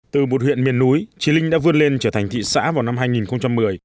từ một huyện miền núi trí linh đã vươn lên trở thành thị xã vào năm hai nghìn một mươi